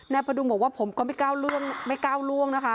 ในพระดูงบอกว่าผมก็ไม่ก้าวล่วงนะคะ